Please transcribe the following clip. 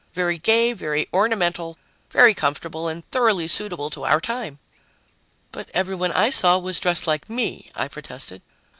Very gay, very ornamental, very comfortable, and thoroughly suitable to our time." "But everybody I saw was dressed like me!" I protested.